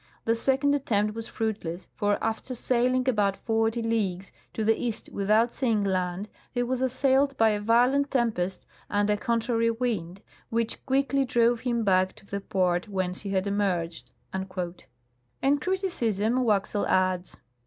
The second attempt was fruitless, for after sailing abovit forty leagues to the east without seeing land, he was assailed by a violent tempest and a contrary wind, which quickly drove him back to the port whence he had emerged." In criticism Waxel adds